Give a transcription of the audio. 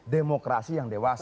demokrasi yang dewasa